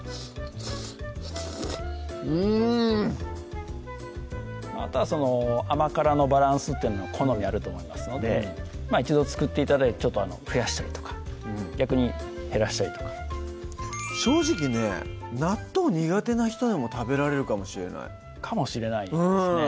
うんあとはその甘辛のバランスっていうのは好みあると思いますので一度作って頂いてちょっと増やしたりとか逆に減らしたりとか正直ね納豆苦手な人でも食べられるかもしれないかもしれないですね